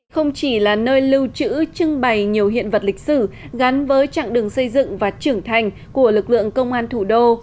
không chỉ là nơi lưu trữ trưng bày nhiều hiện vật lịch sử gắn với trạng đường xây dựng và trưởng thành của lực lượng công an thủ đô